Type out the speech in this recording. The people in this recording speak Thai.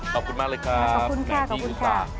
ขอบคุณมากเลยครับขอบคุณค่ะขอบคุณค่ะ